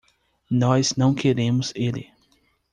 Nós não queremos ele!